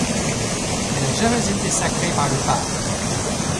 Il n’a jamais été sacré par le Pape.